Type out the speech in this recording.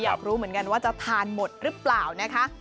อยากรู้เหมือนกันว่าจะทานหมดหรือเปล่านะคะ